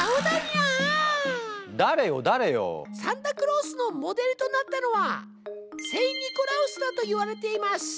サンタクロースのモデルとなったのは聖・ニコラウスだといわれています。